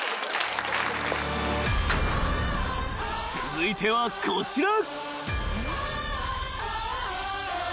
［続いてはこちら］